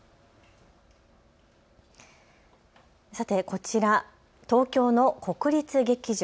さてこちら、東京の国立劇場。